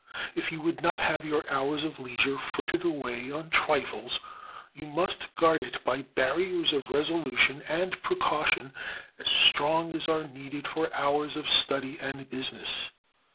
If you would not have your hours of leisure frittered away on trifles you must guard it by barriers of resolution and precaution as strong as are needed for hours of study and business.